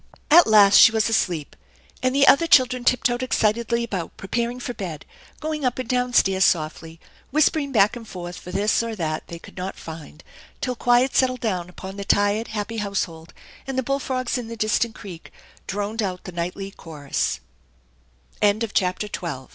wifi At last she was asleep, and the other children tiptoed excitedly about preparing for bed, going up and downstairs softly, whispering back and forth for this or that they could not find, till quiet settled down upon the tired, happy house hold, and the bullfrogs in the dista